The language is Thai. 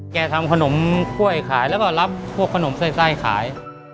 ทำขนมกล้วยขายแล้วก็รับพวกขนมไส้ขาย